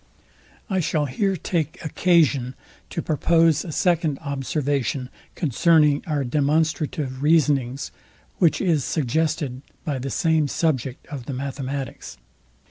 I shall here take occasion to propose a second observation concerning our demonstrative reasonings, which is suggested by the same subject of the mathematics.